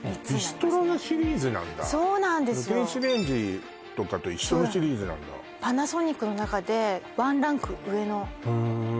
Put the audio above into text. ビストロのシリーズなんだそうなんですよ電子レンジとかと一緒のシリーズなんだパナソニックの中でワンランク上のへえ